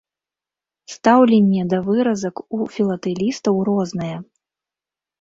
Стаўленне да выразак у філатэлістаў рознае.